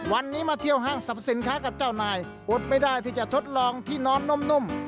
วันนี้มาเที่ยวห้างสรรพสินค้ากับเจ้านายอดไม่ได้ที่จะทดลองที่นอนนุ่ม